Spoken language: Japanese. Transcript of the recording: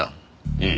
ええ。